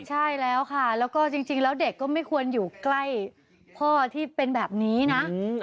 ใช่แล้วค่ะแล้วก็จริงแล้วเด็กก็ไม่ควรอยู่ใกล้พ่อที่เป็นแบบนี้นะ